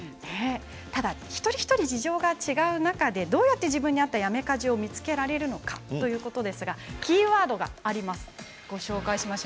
ただ一人一人事情が違う中でどうやって自分に合ったやめ家事を見つけられるのかということですがキーワードがあります。